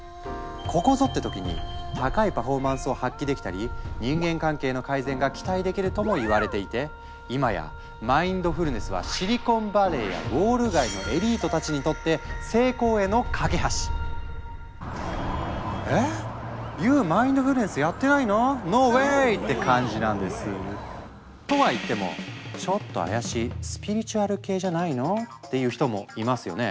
「ここぞ！」って時に高いパフォーマンスを発揮できたり人間関係の改善が期待できるともいわれていて今や「マインドフルネス」はシリコンバレーやウォール街のエリートたちにとってえ⁉ＹＯＵマインドフルネスやってないの⁉ＮＯＷＡＹって感じなんです。とは言っても「ちょっと怪しいスピリチュアル系じゃないの？」っていう人もいますよね？